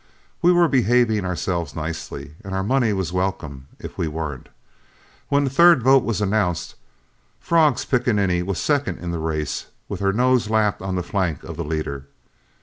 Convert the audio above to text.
We were behaving ourselves nicely, and our money was welcome if we weren't. When the third vote was announced, Frog's pickaninny was second in the race, with her nose lapped on the flank of the leader.